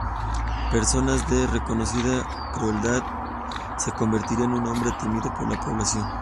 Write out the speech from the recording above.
Persona de reconocida crueldad, se convertiría en un hombre temido por la población.